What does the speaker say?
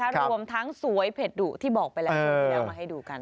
รวมทั้งสวยเผ็ดดุที่บอกไปแล้วมาให้ดูกัน